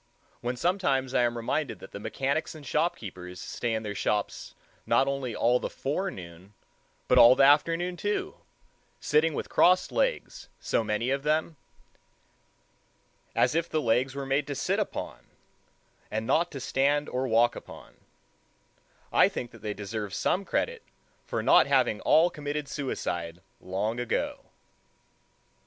When sometimes I am reminded that the mechanics and shopkeepers stay in their shops not only all the forenoon, but all the afternoon too, sitting with crossed legs, so many of them—as if the legs were made to sit upon, and not to stand or walk upon—I think that they deserve some credit for not having all committed suicide long ago.